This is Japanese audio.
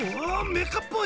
メカっぽい！